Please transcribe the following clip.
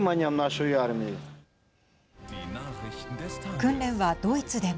訓練はドイツでも。